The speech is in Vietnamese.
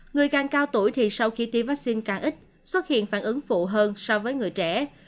người càng cao tuổi thì sau khi tiêm vaccine càng ít xuất hiện phản ứng phụ hơn so với người trẻ